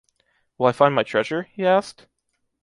“Will I find my treasure?” He asked.